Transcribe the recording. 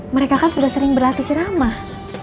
mereka kan sudah sering berlatih ceramah